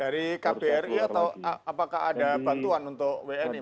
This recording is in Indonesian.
dari kbri atau apakah ada bantuan untuk wni